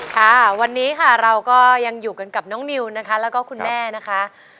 ค่ะวันนี้ค่ะเราก็ยังอยู่กันกับน้องนิวนะคะแล้วก็คุณแม่นะคะ